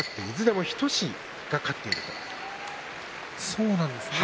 そうなんですね。